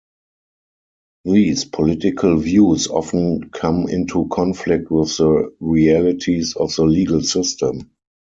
These political views often come into conflict with the realities of the legal system.